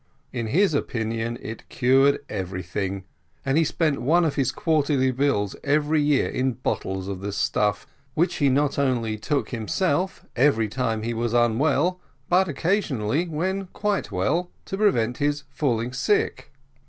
In his opinion, it cured everything, and he spent one of his quarterly bills every year in bottles of this stuff; which he not only took himself every time he was unwell, but occasionally when quite well, to prevent his falling sick.